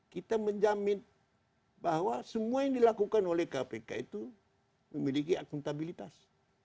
kita menjamin bahwa semua yang dilakukan oleh kpk itu memiliki akuntabilitas